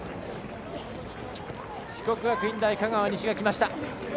四国学院大香川西がきました。